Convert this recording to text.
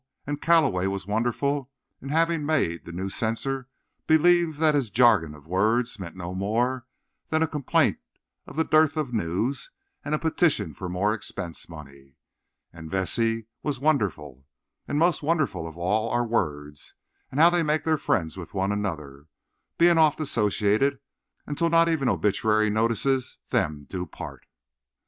And Calloway was wonderful in having made the new censor believe that his jargon of words meant no more than a complaint of the dearth of news and a petition for more expense money. And Vesey was wonderful. And most wonderful of all are words, and how they make friends one with another, being oft associated, until not even obituary notices them do part.